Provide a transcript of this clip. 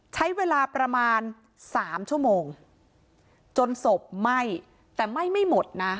ใช้เวลาประมาณสามชั่วโมงจนศพไหม้แต่ไหม้ไม่หมดนะ